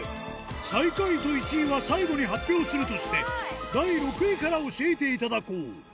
最下位と１位は最後に発表するとして、第６位から教えていただこう。